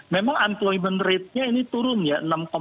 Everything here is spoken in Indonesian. memang umployment ratenya ini turun ya